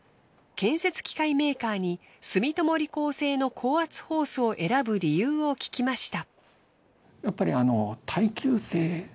建設機械メーカーに住友理工製の高圧ホースを選ぶ理由を聞きました。